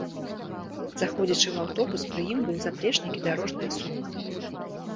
Заходзячы ў аўтобус пры ім быў заплечнік і дарожная сумка.